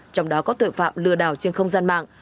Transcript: trong đó có tội phạm lừa đảo trên không gian mạng